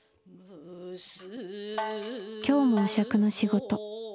今日もお酌の仕事。